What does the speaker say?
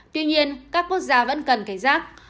tuy nhiên các quốc gia vẫn cần cảnh giác